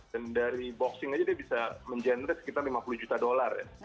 dan dari boxing aja dia bisa menghasilkan sekitar lima puluh juta dollar ya